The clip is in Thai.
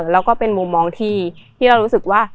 แล้วก็เป็นมุมมองที่เรารู้สึกว่า